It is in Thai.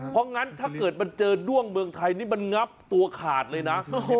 เพราะงั้นถ้าเกิดมันเจอด้วงเมืองไทยนี่มันงับตัวขาดเลยนะ